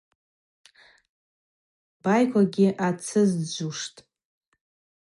Байквагьи ацызджвджвуштӏ.